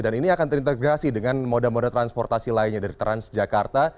dan ini akan terintegrasi dengan moda moda transportasi lainnya dari transjakarta